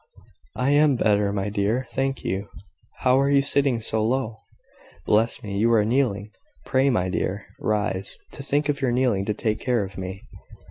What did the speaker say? "I am better, my dear, thank you. How are you sitting so low? Bless me! you are kneeling. Pray, my dear, rise. To think of your kneeling to take care of me!"